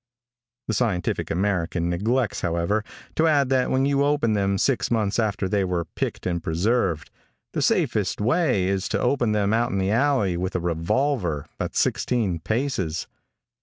The Scientific American neglects, however, to add that when you open them six months after they were picked and preserved, the safest way is to open them out in the alley with a revolver, at sixteen paces.